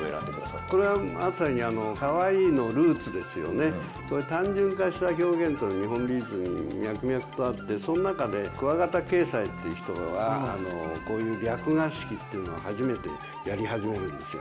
これはまさに単純化した表現日本美術に脈々とあってその中で鍬形斎っていう人はこういう略画式っていうのを初めてやり始めるんですよ。